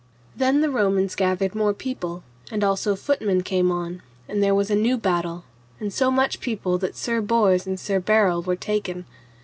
Then the Romans gathered more people, and also footmen came on, and there was a new battle, and so much people that Sir Bors and Sir Berel were taken.